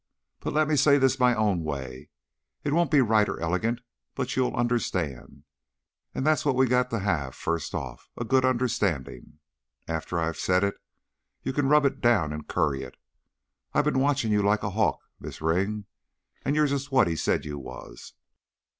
But let me say this my own way. It won't be right or elegant, but you'll understand. And that's what we got to have first off a good understanding. After I've said it, you can rub it down and curry it. I been watching you like a hawk, Miz' Ring, and you're just what he said you was.